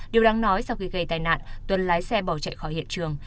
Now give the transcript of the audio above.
điều đáng nói sau khi gây tai nạn tuân lái xe bỏ chạy khỏi hiện trường